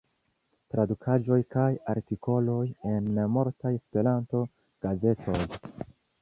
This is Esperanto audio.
Tradukaĵoj kaj artikoloj en multaj Esperanto-gazetoj.